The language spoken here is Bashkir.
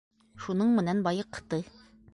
Шуның менән байыҡты.